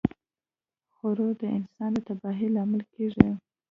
غرور د انسان د تباهۍ لامل کیږي.